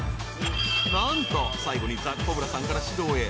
［何と最後にザ・コブラさんから獅童へ］